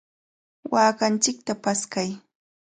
¡Waakanchikta paskay!